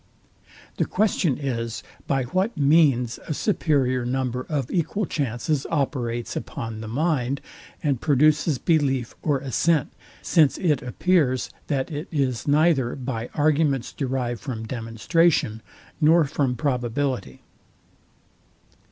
The question is, by what means a superior number of equal chances operates upon the mind, and produces belief or assent; since it appears, that it is neither by arguments derived from demonstration, nor from probability.